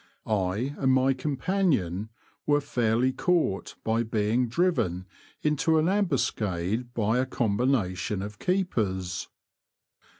I and my companion were fairly caught by being driven into an ambuscade by a combination of keepers.